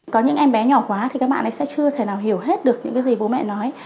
có những em bé nhỏ quá thì các bạn ấy sẽ chưa thể nào hiểu hết được những cái gì bố mẹ nói